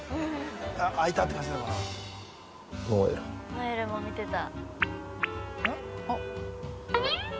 ノエルも見てた。